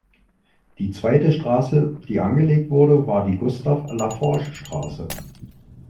Die zweite Straße, die angelegt wurde, war die "Gustav-Laforsch-Straße".